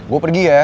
gue pergi ya